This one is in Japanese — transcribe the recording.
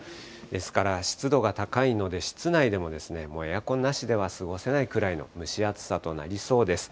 ですから、湿度が高いので、室内でももうエアコンなしでは過ごせないくらいの蒸し暑さとなりそうです。